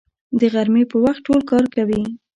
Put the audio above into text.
د غرمې په وخت ټول کار کوي